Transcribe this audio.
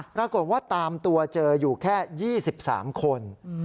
ปรากฏว่าตามตัวเจออยู่แค่๒๓คน